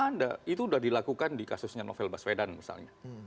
ada itu sudah dilakukan di kasusnya novel baswedan misalnya